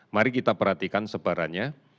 mari kita perhatikan sebarannya